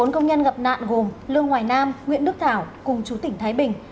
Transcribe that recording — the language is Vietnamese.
bốn công nhân gặp nạn gồm lương hoài nam nguyễn đức thảo cùng chú tỉnh thái bình